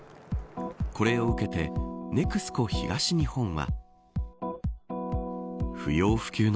これを受けてＮＥＸＣＯ東日本は。